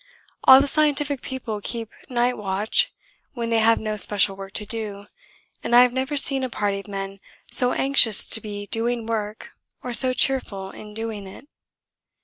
All the scientific people keep night watch when they have no special work to do, and I have never seen a party of men so anxious to be doing work or so cheerful in doing it.